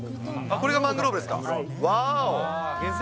これがマングローブですか？